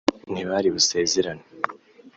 ntibari busezerane